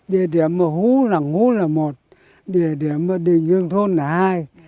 địa điểm hú là một địa điểm đình dương thôn là hai